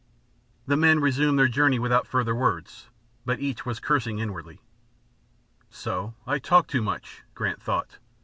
The men resumed their journey without further words, but each was cursing inwardly. "So! I talk too much," Grant thought.